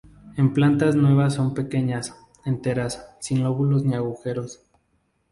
En plantas nuevas son pequeñas, enteras, sin lóbulos ni agujeros.